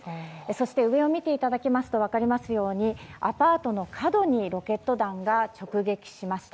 そして上を見ていただきますと分かりますようにアパートの角にロケット弾が直撃しました。